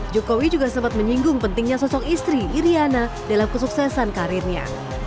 jokowi juga sempat menyinggung pentingnya sosok istri iryana dalam kesuksesan karirnya